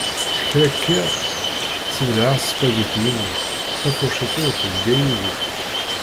S kra kkiɣ sseblaɛeɣ ssbagiti-inek, tafurciṭ-iw tezga yid-i.